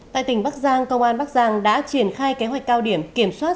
tại tỉnh bắc giang công an bắc giang đã triển khai kế hoạch cao điểm kiểm soát